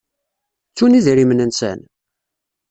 Ttun idrimen-nsen?